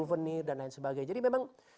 suvenir dan lain sebagainya